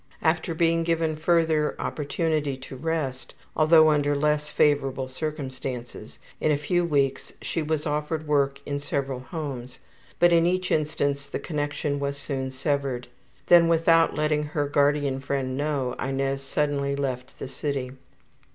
After being given further opportunity to rest, although under less favorable circumstances, in a few weeks she was offered work in several homes, but in each instance the connection was soon severed. Then without letting her guardian friend know, Inez suddenly left the city.